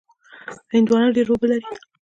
هندوانه ډېره اوبه لري.